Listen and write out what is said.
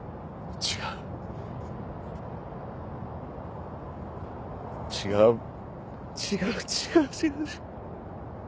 違う違う違う違う。